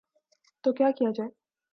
تو کیا کیا جائے؟